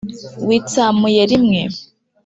Witsamuye limwe